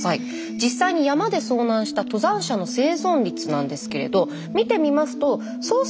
実際に山で遭難した登山者の生存率なんですけれど見てみますと捜索